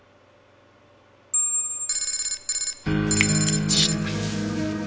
一致した。